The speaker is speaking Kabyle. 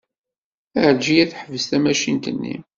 Ɛelǧiya teḥbes tamacint-nni.